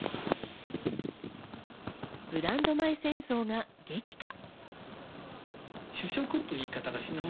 ブランド米戦争が激化。